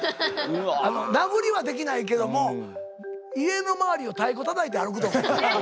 殴りはできないけども家の周りを太鼓たたいて歩くと思う。